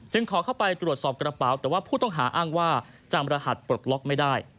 ขอเข้าไปตรวจสอบกระเป๋าแต่ว่าผู้ต้องหาอ้างว่าจำรหัสปลดล็อกไม่ได้